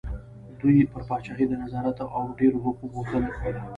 دوی پر پاچاهۍ د نظارت او ډېرو حقوقو غوښتنه کوله.